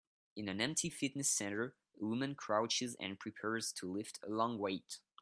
In an empty fitness center a woman crouches and prepares to lift a long weight